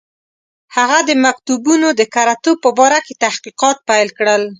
هغه د مکتوبونو د کره توب په باره کې تحقیقات پیل کړل.